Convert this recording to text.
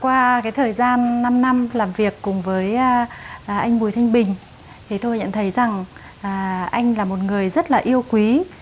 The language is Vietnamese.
qua thời gian năm năm làm việc cùng với anh bùi thanh bình thì tôi nhận thấy rằng anh là một người rất là yêu quý